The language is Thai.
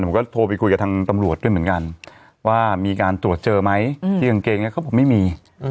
ผมก็โทรไปคุยกับทางตำรวจด้วยเหมือนกันว่ามีการตรวจเจอไหมที่กางเกงนี้เขาบอกไม่มี